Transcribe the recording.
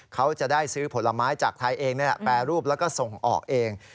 เขาจะได้ซื้อผลไม้จากไทยเองแปรรูปแล้วก็ส่งออกเอง